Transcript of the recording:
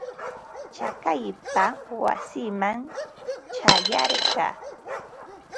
Chakaypa wasiiman ćhayarqaa.